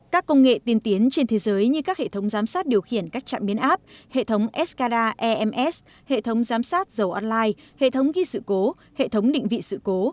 các công nghệ tiên tiến trên thế giới như các hệ thống giám sát điều khiển các trạm biến áp hệ thống scara ems hệ thống giám sát dầu online hệ thống ghi sự cố hệ thống định vị sự cố